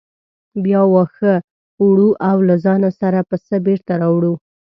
بیا واښه وړو او له ځانه سره پسه بېرته راوړو.